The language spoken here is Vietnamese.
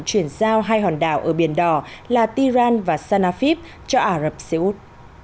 chuyển giao hai hòn đảo ở biển đỏ là tehran và sanafib cho ả rập xê út